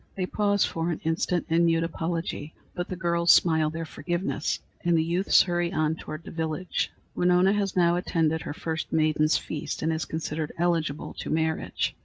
They pause for an instant in mute apology, but the girls smile their forgiveness, and the youths hurry on toward the village. Winona has now attended her first maidens' feast and is considered eligible to marriage.